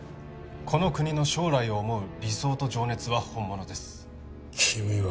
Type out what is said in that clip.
この国の将来を思う理想と情熱は本物です君は？